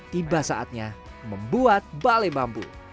tiba saatnya membuat balai bambu